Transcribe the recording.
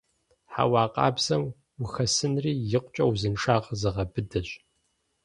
Хьэуа къабзэм ухэсынри икъукӀэ узыншагъэр зыгъэбыдэщ.